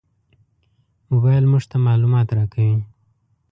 موبایل موږ ته معلومات راکوي.